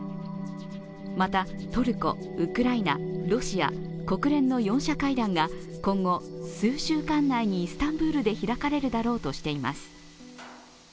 また、トルコ、ウクライナ、ロシア、国連の４者会談が今後、数週間内にイスタンブールで開かれるだろうとしています。